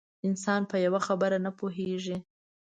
انسان په یوه خبره نه پوهېږي.